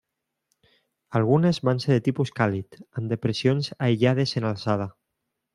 Algunes van ser de tipus càlid, amb depressions aïllades en alçada.